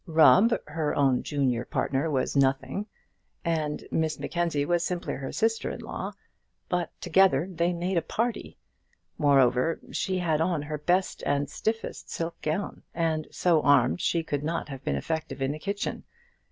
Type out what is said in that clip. Rubb, her own junior partner, was nothing, and Miss Mackenzie was simply her sister in law. But together they made a party. Moreover she had on her best and stiffest silk gown, and so armed she could not have been effective in the kitchen.